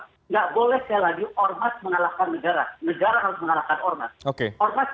saya ini kepentingan yang satu nkri